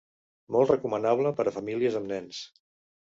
Molt recomanable per a famílies amb nens.